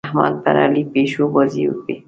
احمد پر علي پيشوبازۍ وکړې.